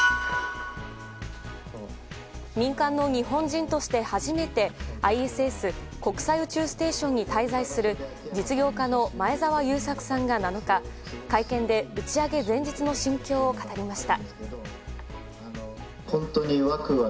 民間の日本人として初めてＩＳＳ・国際宇宙ステーションに滞在する実業家の前澤友作さんが７日会見で打ち上げ前日の心境を語りました。